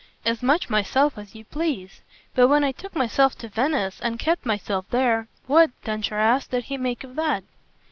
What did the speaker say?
"As much myself as you please. But when I took myself to Venice and kept myself there what," Densher asked, "did he make of that?"